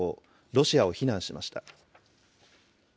ロシアを非難しました。